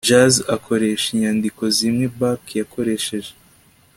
Jazz akoresha inyandiko zimwe Bach yakoresheje